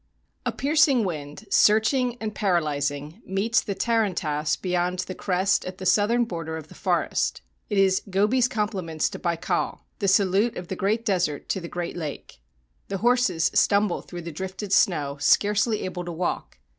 A PIERCING wind, searching and paralyzing, meets the tarantass beyond the crest at the southern border of the forest: it is Gobi's compliments to Baikal, the salute of the great desert to the great lake. The horses stumble through the drifted snow, scarcely able to walk.